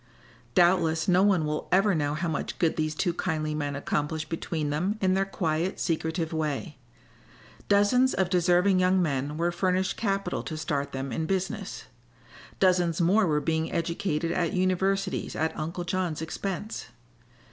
Doubtless no one will ever know how much good these two kindly men accomplished between them in their quiet, secretive way. Dozens of deserving young men were furnished capital to start them in business; dozens more were being educated at universities at Uncle John's expense.